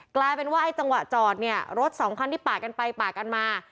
กลายเป็นว่าไอ้จังหวะจอดเนี่ยรถสองคันที่ปาดกันไปปาดกันมา